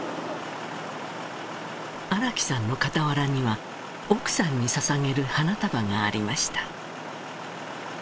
荒木さんのかたわらには奥さんに捧げる花束がありました